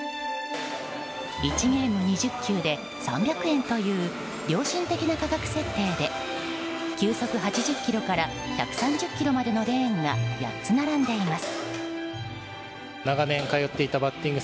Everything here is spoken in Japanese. １ゲーム２０球で３００円という良心的な価格設定で球速８０キロから１３０キロまでのレーンが８つ並んでいます。